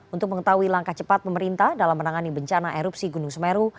untuk mengetahui langkah cepat pemerintah dalam menangani bencana erupsi gunung semeru